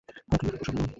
হাঁটু গেঁড়ে বসে পড়ুন!